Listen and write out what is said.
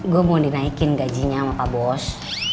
gue mau dinaikin gajinya sama pak bos